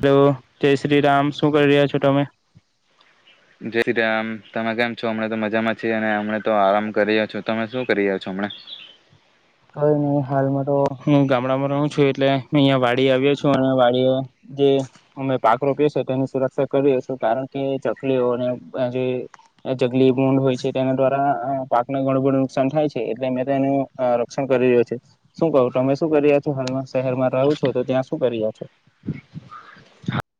Hello જય શ્રી રામ શું કરી રહ્યા છો તમે જે સીતારામ તમે કેમ છો હમણા તો મજામાં છીએ અને હમ તો આરામ કરી છો તમે શું કરી રહ્યા છો અમના કઈ નહી હાલ તો હું ગામડામાં રહું છું એટલે અહિયાં વાડી આવ્યો છું અને વાડી જે અમે પાક રોપ્યો છે તેની સુરક્ષા કરી્યો છું કારણ કે ચકલીઓ અને જે જગલી મડ હોય છે તેના દ્વારા પાકને ઘણું બું નુકસાન થાય છે એટલે મે તેનું શુ કરી રહ્યો છે શું કું તમે શું કરી્યા છો હાલમાં શહેરમાં રહો છો તો ત્યાં શું કરી રહ્યા છો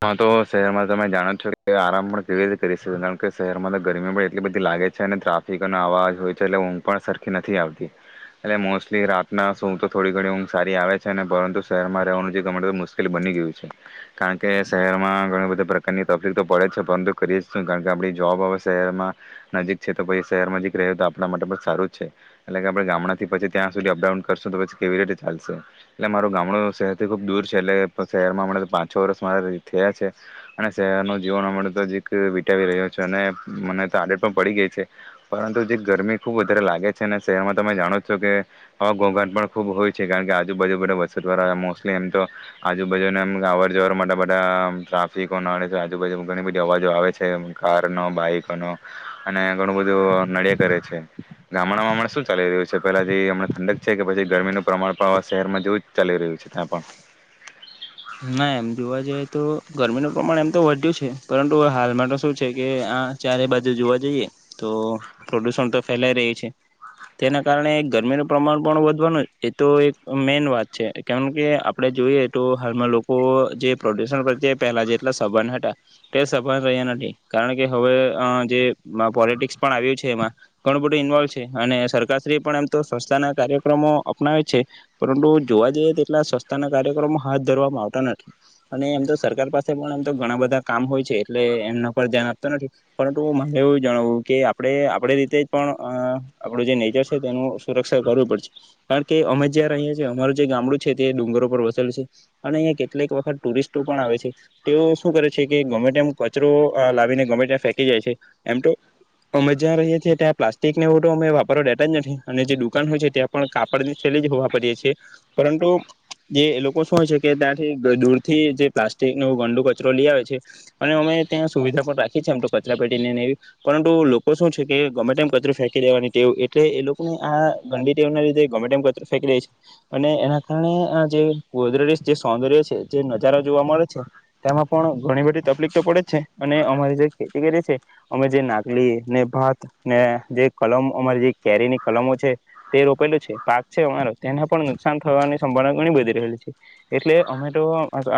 હા તો શહેરમાં તમે જાણો છો કે આરામ પણ કેવી રીતે કરી શકો કારણ કે શહેરમાં તો ગરમી પણ એટલી બધી લાગે છે અને ટ્રાફિકનો અવાજ હોય છે એટલે ઊંઘ પણ સરખી નથી આવતી એટલે મોસ્ટલી રાતના સૂઘ તો થોડી ઘણી ઊંઘ સારી આવે છે ને પરંતુ શહેરમાં રહેવાનું જે ગ મુશ્કેલ બની ગયું છે કારણ કે કે શહેરમાં ઘણી બધી પ્રકારની તકલીફ તો પડે જ છે પરંતુ કરીએ જ શું કારણ કે આપણી જોબ હવે શહેરમાં નજીક છે તો પછી શહેર નજીક રહે તો આપણા માટે પણ સારું જ છે એટલે કે આપણે ગામડાથી પછી ત્યાં સુધી અપડાઉન કરશું તો પછી કેવી રીતે ચાલશે એટલે મારું ગામડું શહેરથી ખૂબ દૂર છે એટલે શહેરમાં આપણે પાંચ છો વર્ષ થયા છે અને શહેરનું જીવન અમ તો જે વિતાાવી રહ્યો છે અને મને તો આડત પણ પડી ગઈ છે પરંતુ જે ગરમી ખૂબ વધારે લાગે છે અને શહેરમાં તમે જાણો છો કે હવા ઘોઘાટ પણ ખૂબ હોય છે કારણ કે આજુબાજુ બ વસતવારા મોસ્ટલી એમ તો આજુબાજુને એમ અર જવર માટે બધા ટ્રાફિકો નડે છે આજુબાજુ ઘણી બધી અવાજો આવે છે કાર નો બાઈકો નો અને ઘણું બધું નડિયા કરે છે ગામડામાંમ શું ચાલી રહ્યું છે પેલા જે હમણા ઠંડક છે કે પછી ગરમીનું પ્રમાણ પણ શહેરમાં જેવું જ ચાલી રહ્યું છે ત્યાં પણ ના એમ જોવા જઈએ તો ગરમીનું પ્રમાણ એમ તો વધ્યું છે પરંતુ હાલમાં તો શું છે કે આ ચારે બાજુ જોવા જઈએ તો પ્રદુષણ તો ફેલાઈ રહ્યું છે તેના કારણે ગરમીનું પ્રમાણ પણ વધવાનું એ તો એક મેન વાત છે કેમકે આપણે જોઈએ તો જે પ્રો્યુન પ્રત્યે પહેલા જેટલા સભંધ હતા તે સભન રહ્યા નથી કારણ કે હવે જે પોલિટિક્સ પણ આવ્યું છે એમાં ઘણું બધું ઇન્વોલ્વ છે અને સરકારશ પણ એમ તો સ્વચ્તાના કાર્યક્રમો અપનાવે છે પરંતુ જોવા જઈએ તેટલા સ્વચ્તાના કાર્યક્રમો હાથ ધરવામાં આવતા નથી અને એમ તો સરકાર પાસે પણ એમ તો ઘણા બધા કામ હોય છે એટલે એમના પર ધ્યાન આપતા નથી પરંતુ મારે એવું જણાવવું કે આપણે આપણે રીતે જ પણ આપણું જે નેચર છે તેનું સુરક્ષા કરવું પડશે કારણ કે અમે જ્યાં રહીએ છીએ અમારું જે ગામડું છે તે ડુંગરો પર વસેલ છે અને અ કેટલીક વખત ટુરિસ્ટો પણ આવે છે તેઓ શું કરે છે કે ગમે તેમ કચરો લાવીને ગમે ત્યા ફેંકી જાય છે એમ તો અમે જ્યાં રહીએ છી ત્યાં પ્લાસ્ટિકને એવ તો અમે વાપરવા દેતા જ નથી અને જે દુકાન હોય છે ત્યાં પણ કાડની થેલી જ હોવા પરીએ છીએ પરંતુ જે લોકો ય છે કે ત્યાંથી દૂરથી જે પ્લાસ્ટિક ન ગંડો કચરો લી આવે છે અને અમે ત્યાં સુવિધા પણ રાખી છે એમ તો કચરા પેટીને એ પરંતુ લોકો શું છે કે ગમે તેમ કચરો ફેંકી લેવાની ટેવ એટલે એ લોકોને આ ગંડી ટેવ ના લીધે ગમે તેમ કચરો ફેંકી લે છે અને એના કારણે આ જે ગોદરેજ જે સૌંદર્ય છે જે નજારા જોવા મળે છે તેમાં પણ ઘણી બધી તકલીફ તો પડે છે અને અમારી જે ખેતી કરી છે અમે જે નાકલી ને ભાત ને જે કલમ અમારી જે કેરીની કલમો છે તે રોપેલું છે પાક છે અમારો તેના પણ નુકસાન થવાની સંભાવના ઘણી બધી રહેલી છે એટલે અમે તો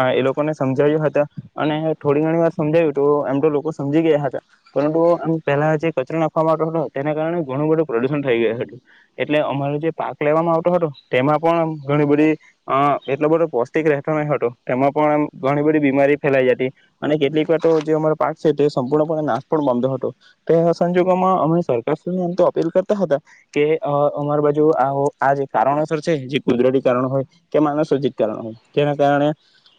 અહ એ લોકોને સમજાવ્યા હતા અને થોડી ઘણી વાર સમજાવ્યું તો એમ તો લોકો સમજી ગયા હતા પરંતુ આમ પહેલા જે કચરો નાખવા આવતો હતો તેના કારણે ઘણું બધું પ્રદુષણ થઈ ગયું હતું. એટલે અમારો જે પાક લેવામાં આવતો હતો તેમાં પણ ઘણી બધી અહ એટલો બધો પષ્ટિક રહેતો ન હતો. તેમાં પણ ઘણી બધી બીમારી ફેલાઈ હતી અને કેટલીક વાર તો જે અમારો પાક છે તે સંપૂર્ણપણે નાશ પણ બમતો હતો. તો એ સંજોગોમાં અમે સરકાર આમ તો અપીલ કરતા હતા કે અહ અમાર બાજુ આઓ આજે કારણો સર છે જે કુદરતી કારણો હોય, તે માણસ [inaudible] તેના કારણે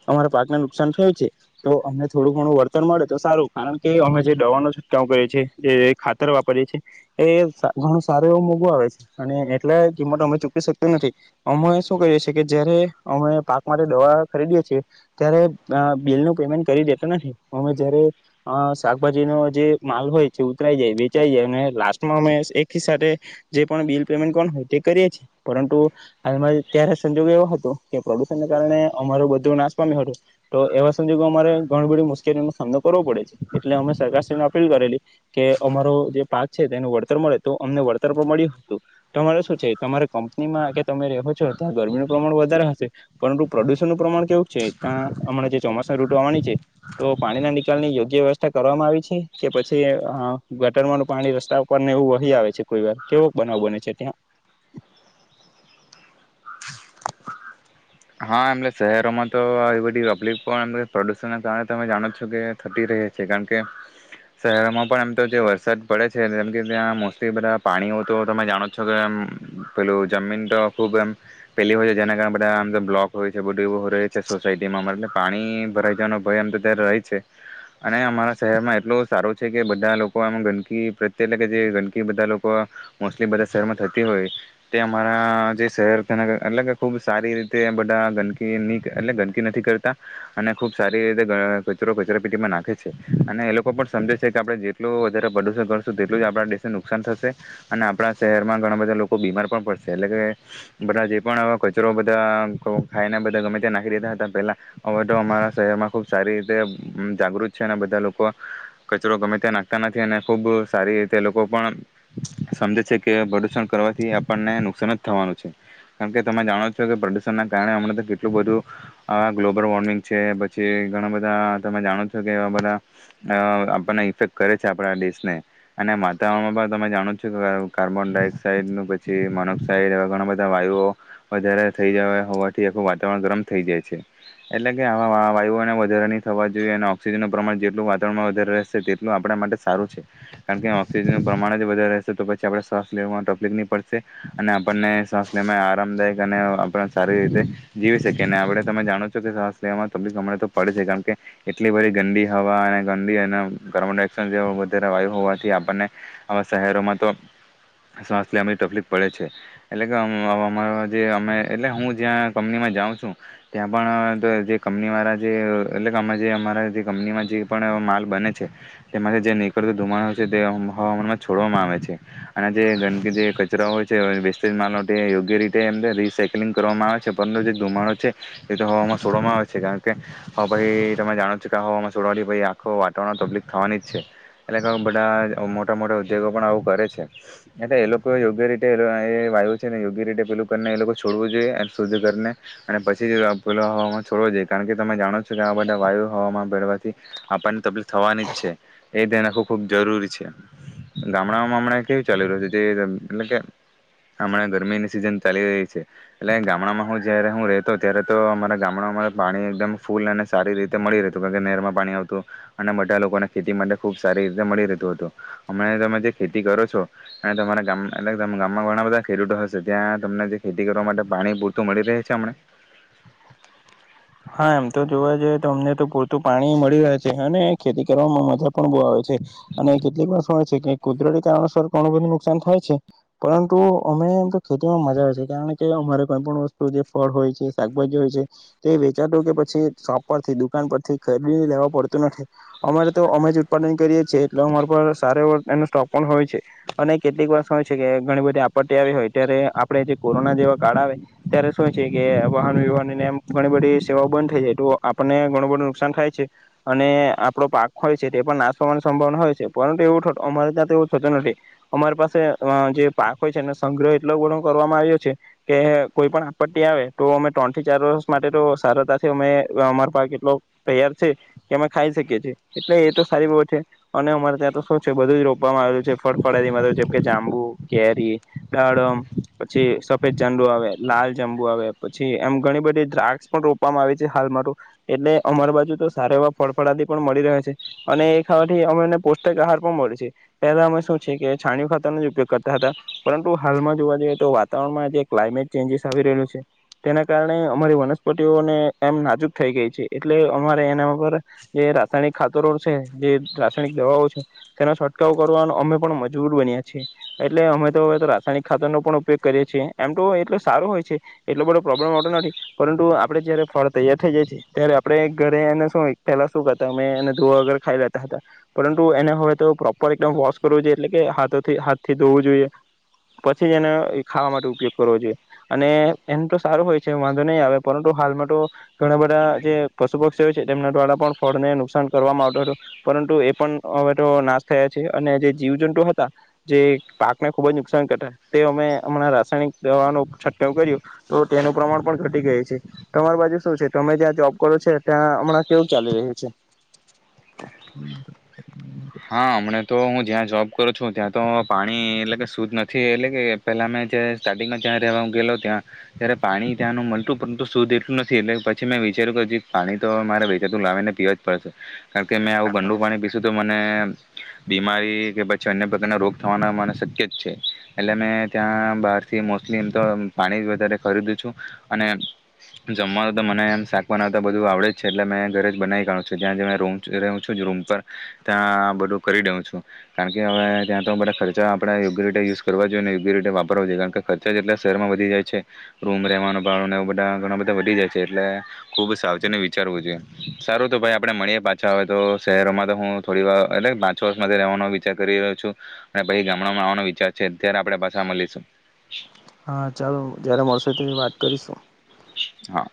અમારા પાકને નુકસાન થયું છે તો અમને થોડું ઘણું વર્તન મળે તો સારું કારણ કે અમે જે દવાનો છુટકાવ કરીએ છે તે ખાતર વાપરીએ છીએ એ સ ઘણું સારું એવ મોઘું આવે છે અને એટલા કીમટ અમે ચૂકી શકતું નથી. અમે શું કરીએ છીએ કે જયારે અમે પાક માટે દવા ખરીદીએ છીએ ત્યારે અહ બિલ નું પેમેન્ટ કરી દેતું નહીં. અમે જયારે અહ શાકભાજીનો જે માલ હોય ઉતરાઈ જાય વેચાઈ જાય અને લાસ્ટમાં અમે એક હિસા જે પણ બિલ પેમેન્ટ કોણ હોય તે કરીએ છેએ પરંતુ હાલમાં ત્યારે સંજોગ એવો હતો કે પ્રદુષણને કારણે અમારો બધો નાશ પામ્યો હતું. તો એવા સંજોગો અમારે ઘણી બધી મુશ્કેલીઓ નનો સામનો કરવો પડે છે. એટલે અમે સરકારશ્રીને અપીલ કરેલી કે અમારો જે પાક છે તેનું વળતર મળે તો અમને વળતર પણ મળ્યું હતું. તમારે શું છે તમારે કંપનીમાં કે તમે રહો છો ત્યાં ગરમીનું પ્રમાણ વધારે હ છે. પરંતુ પ્રદુષણ નું પ્રમાણ કેવું છે તા અમણા જે ચોમાસ અહ ઋટુ આવાની છે તો પાણીના નિકાલ ની યોગ્ય વ્યવસ્થા કરવામાં આવી છે કે પછી અહ ગટરમાંનું પાણી રસ્તા ઉપર ને એવું વહી આવે છે કોઈ વાર. કેવો બનાવ બને છે ત્યાં? હા એમલે શહેરોમાં તો આવી બધી પબ્લિક પણ પ્રદુષણના કારણે તમે જાણો છો કે થતી રહે છે કારણ કે શહેરોમાં પણ એમ તો જે વરસાદ પડે છે જેમ કે ત્યાં મોસ્ટલી બધા પાણી હો તો તમે જાણો છો કેમ આમ પેલું જમીન તો ખુબ એમ પેલી હોય છે જેના કારણે બધા આમ જેમ બ્લોક હોય છે બધું એવું રહે છે સોસાયટીમાં અમારે એટલે પાણી ભરાઈ જવાનો ભય આમ તો ત્યારે રહે છે અને અમારા શહેરમાં એટલું સારું છે કે બધા લોકો આમ ગંદકી પ્રત્યે એટલે કે જે ગંદકી બધા લોકો મોસ્ટલી બધા શહેરમાં થતી હોય તે અમારા જે શહેરના એટલે કે ખૂબ સારી રી તે બધા ગંદકીની એટલે ગંદકી નથી કરતા અને ખૂબ સારી રીતે ગ કચરો કચરા પેટીમાં નાખે છે. અને એ લોકો પણ સમજે છે કે આપણે જેટલું વધારે ભડોસો કરશું તેટલું જ આપણા દેશને નુકસાન થશે અને આપણા શહેરમાં ઘણા બધા લોકો બીમાર પણ પડશે. એટલે કે બધા જે પણ કચરો તામ ખો ખાઈને બધા ગમે ત્યાં નાખી દેધા હતા પેલા. અને અમારા શહેરમાં ખુબ સારી રીતે જાગૃત છે અને બધા લોકો કચરો ગમે ત્યાં નાખતા નથી અને ખૂબ સારી રીતે લોકો પણ સમજે છે કે પ્રદુષણ કરવાથી આપણને નુકસાન જ થવાનું છે કારણ કે તમે જાણો છો કે પ્રદુષણના કારણે હમણાં તો કેટલું બધું આ ગ્લોબલ વોર્મિંગ છે પછી ઘણા બધા આહ તમે જાણો છો કે એવા બધા અહ આપણને ઇફેક્ટ કરે છે આપણા દેશને અને વાતાવરણમાં પણ તમે જાણો છો કે કાર્બન ડાયોક્સાઈડ પછી મોનોક્સાાઈડ એવા ઘણા બધા વાયુઓ વધારે થઈ જાય હોવાથી આખું વાતાવરણ ગરમ થઈ જાય છે. એટલે કે આવા વાયુઓને વધારે નહીં થવા જોઈએ અને ઓક્સિજનનું પ્રમાણ જેટલું વાતાવરણમાં વધારે રહેશે તેટલું આપણા માટે સારું છે. કારણ કે ઓક્સિજનનું પ્રમાણે જે બધા રહશે તો પછી આપ શ્વાસ લેવામાં તકલીક નહી પડશે અને આપણને શ્વાસ લે આરામદાયક જાને ઓ આપણા ના સારી રીતે જીવી શકીએ આપણે તમે જાણો છો કે શ્વાસ લેવામાં તકલીફ અમ પડે છે કારણ કે એટલી બધી ગંદી હવા અને ગંદી અને કાર્બન ડાઈઓક્સાઈડ જેવા વધારે વાયુ હોવાથી આપણને આવા શહેરોમાં તો શ્વાસ લેવાની તકલીફ પડે છે. એટલે કે અમ્મ આવા માં જે અમે એટલે હું જ્યાં કંપનીમાં જાઉં છું ત્યાં પણ જે તે કંપનીવાળા જે એટલે કે અમે જે અમારા જે કંપનીમાં જે પણ માલ બને છે તેમાંથી જે નીકળતો ધુમાડો છે તે હવામાનમાં છોડવામાં આવે છે અને જે ગંદકી જે કચરાઓ હોય છે વસ્ટ જ માલ હો તે યોગ્ય રીત તે એમને રિસાયક્લિંગ કરવામાં આવે છે. પરંતુ જે ધુમાડો છે એ તો હવામાં છોડવામાં આવે છે કારણ કે તે હો પાઈ તમે જાણો ચૂકાવામાં છોડાં ભાઈ આખો વાતાવરણ તબલીક થવાની જ છે એટલે બધા મોટા મોટા ઉદ્યોગો પણ આવું કરે છે. એટલે એ લોકો યોગ્ય રીતે એ વાયુ છે ને યોગ્ય રીતે પેલું તન ને એ લોકો છોડવું જોઈએ અને શુદ્ધને કરને અને પછી જો પેહલા હવા માં છોડવો જોઈએ કારણ કે તમે જાણો છો કે આ બધા વાયુ હમા પવાથી આપણને તકલીફ થવાની જ છે. એ ધ્યાન રાખવું ખૂબ જરૂરી છે. ગામડામાં હમણાં કેવી ચાલી રહ્યું છે જે એટલે કે હમણાં ગરમીની સિઝન ચાલી રહી છે. એટલે ગામડામાં હું જ્યારે હું રહેતો ત્યારે તો અમારા ગામડામાં પાણી એકદમ ફૂલ અને સારી રીતે મળી રહેતું કારણ કે નહેરમાં પાણી આવતું અને બધા લોકોને ખેતી માટે ખૂબ સારી રીતે મળી રહેતું હતું. હમણાં તમે જે ખેતી કરો છો અને તમારા ગામ એટલે ત ગામમાં ઘણા બધા ખેડૂતો હશે ત્યાં તમને જે ખેતી કરવા માટે પાણી પૂરતું મળી રહે છે અમને? હા, એમ તો જોવા જઈએ તો અમને તો પૂરતું પાણી મળી રહે છે અને ખેતી કરવામાં મજા પણ બહુ આવે છે અને કેટલીક વસ્તુ હો છે કે કુદરતી કારણોસર ઘણું બધું નુકસાન થાય છે પરંતુ અમે એમ તો ખેતીમાં મજા આવે છે કારણ કે અમારે કોઈ પણ વસ્તુ જે ફળ હોય છે શાકભાજી હોય છે તે ચાર દો કે પછી શોપ પરથી દુકાન પરથી ખરીદીને લેવા પડતું નથી. અમારે તો અમે જ ઉત્પાદન કરીએ છીએ એટલે અમારા પર સાર વર એનો સ્ટોક પણ હોય છે અને કેટલીક વાર શું છે કે ઘણી બધી આપત્તી આવી હોય ત્યારે આપણે જે કોરોના જેવા કાળ આવે ત્યારે શું છે કે વાહન વ્યવહને ઘણી બધી સેવા બંધ થઈ જાય. તો આપણને ઘણું બધું નુકસાન થાય છે અને આપણો પાક હોય છે તે પણ નાશ થવાની સંભાવના હોય છે. પરંતુ એવું અમારે ત્યાં તો એવું થતું નથી અમારી પાસે અહ જે પાક હોય છે એનો સંગ્રહ એટલો ઘણો કરવામાં આવ્યો છે કે કોઈ પણ આપટ્ટી આવે તો અમે ત્રણ થી ચાર વર્ષ માટે તો તાર રતતા અમે અમાર પાક એટલો તૈયાર છે કે અમે ખાઈ શકીએ છીએ. એટલે એ તો સારી બત છે અને અમારે ત્યાં તો શું છે બધું જ રોપવામાં આવેલું છે ફળફળા મા જેમકે જાંબુ, કેરી, દાડમ પછી સફેદ ચાંડુ આવે લાલ જાંબુ આવે પછી એમ ઘણી બધી દ્રાક્ષ પણ રો પા વામા આવે છે હાલ માતો. એટલે અમારી બાજુ તો સારા એવા ફળફળાદી પણ મળી રહે છે. અને એ ખવાથી અમને પષ્ટક આહાર પણ મળે છે પહેલા અમે શું છે કે છાણી ખાતરનો જ ઉપયોગ કરતા હતા પરંતુ હાલમાં જોવા જઈએ તો વાતાવરણમાં જે ક્લાઇમેટ ચેન્જીસ આવી રહલું છે તેના કારણે અમારી વનસ્પ તી ઓને એમ નાજુક થઈ ગઈ છે એટલે અમારે એના વગર જે રાસાયણિક ખાતરો છે જે રાસાયણિક દવાઓ છે તેનો છટકાવો કરવાનો અમે પણ મજબૂર બન્યા છીએ. એટલે અમે તો હવે રાસાયણિક ખાતર નો પણ ઉપયોગ કરીએ છીએ એમ તો એટ સારો હોય છે એટલો બધો પ્રોબ્લેમ આવતો નથી પરંતુ આપ પડણે જયારે ફળ તૈયાર થઈ જાય છીએ ત્યારે આપણે ઘરે એને શું પેલા શું કરતા અમે એને ધોવા વગર ખાઈ લેતા હતા પરંતુ એને હવે તો પ્રોપર એકદમ વોશ કરવું જોઈએ એટલે કેાથથી હાથથી ધોવું જોઈએ પછી જ એને એ ખાવા માટે ઉપયોગ કરવો જોઈએ અને એને તો સારો હોય છે વાંધો નહીં આવે પરંતુ હાલમાં તો ઘણા બધા જે પશુ પક્ષી હો છે તેમના દ્વારા પણ ફળને નુકસાન કરવામાં આવતું હતું પરંતુ એ પણ અવે તો નાશ થયા છે અને જે જીવજંતુ હતા જે પાકને ખુબ જ નુકસાન કરતા તે અમે હમણાં રાસાયણિક દવા નો છટકાવ કર્યો તો તેનું પ્રમાણ પણ ઘટી ગઈ છે. તમાર બાજુ શું છે તમે જ્યાં જોબ કરો છો ત્યાં હમણાં કેવું ચાલી રહ્યું છે? હા, હમણા તો હું જ્યાં જોબ કરું છું ત્યાં તો પાણી એટલે કે શુદ્ધ નથી એટલે કે પેલા મેં સ્ટાર્ટિંગમાં જ્યાં રહેવા ગેલો ત્યાં ત્યારે પાણી ત્યાંનું મળતું પરંતુ શુદ્ધ એટલું નથી એટલે પછી મેં વિચાર્યું કે પાણી તો મારે વેચાતું લાવીને પીવા જ પડશે. કારણ કે મેં આવું ગંડું પાણી પીશું તો મ ને બીમારી કે પછી અન્ય પ્રકારના રોગ થવાના મને શક્ય જ છે. એટલે મે ત્યાં બહારથીલી તો પાણી વધારે ખરીદું છું અને જમવાનું તો મને શાક બનાવતા બધું આવડે છે એટલે મે ઘરે જ બનાવી કાળું છું. જ્યાં જે મેં રૂમ રહું છું રૂમ પર ત્યાં બધું કરી દઉં છું કારણ કે હવે ત્યાં તો બધા ખર્ચા આપણે યોગ્ય રીતે યુઝ કરવા જોઈએ ને યોગ્ય રીતે વાપરવા જોઈએ કારણ કે ખર્ચા જેટલા શહેરમાં વધી જાય છે રૂમ રહેવાનો ભાવને એ બધા ઘણા બધા વધી જાય છે એટલે ખૂબ સાવચેત વિચારવું જોઈએ. સારું તો ભાઈ આપણે મળીએ પાછા આવેય તો શહેરોમાં તો હું થોડી વાર એટલે પાંચ વર્ષમાંથી રહેવાનો વિચાર કરી રહ્યો છું અને પછી ગામડામાં આવવાનો વિચાર છે અત્યારે આપણે પાછા મલીશું. હા ચાલો જયારે મળશે ત્યારે વાત કરીશું હા.